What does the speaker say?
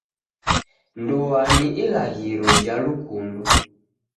Ndoa ni ilaghiro ja lukundo.